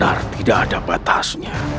benar tidak ada batasnya